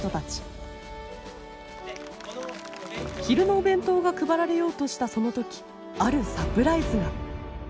昼のお弁当が配られようとしたその時あるサプライズが。